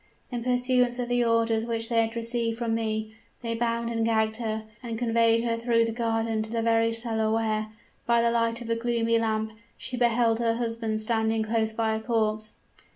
In pursuance of the orders which they had received from me, they bound and gagged her, and conveyed her through the garden to the very cellar where, by the light of a gloomy lamp, she beheld her husband standing close by a corpse!